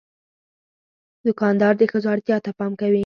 دوکاندار د ښځو اړتیا ته پام کوي.